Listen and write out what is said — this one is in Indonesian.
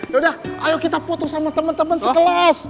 yaudah ayo kita foto sama temen temen sekelas